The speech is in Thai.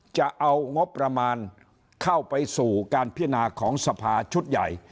จะเอางบประมาณเข้าไปสู่การพินาของสภาชุดใหญ่